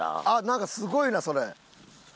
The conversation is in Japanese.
あっなんかすごいなそれ。